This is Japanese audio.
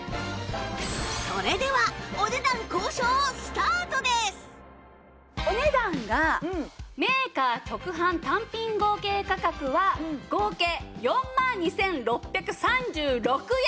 それではお値段がメーカー直販単品合計価格は合計４万２６３６円。